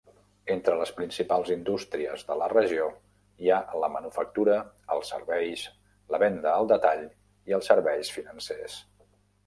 Entre les principals indústries de la regió hi ha la manufactura, els serveis, la venda al detall i els serveis financers.